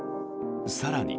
更に。